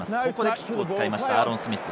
キックを使いました、アーロン・スミス。